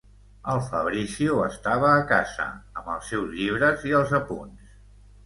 El Fabrizio estava a casa, amb els seus llibres i els apunts.